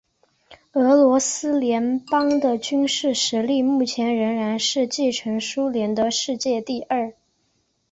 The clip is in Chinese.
俄罗斯联邦的军事实力目前仍然是继承苏联的世界第二。